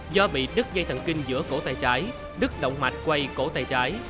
do bị đứt dây thận kinh giữa cổ tay trái đứt động mạch quay cổ tay trái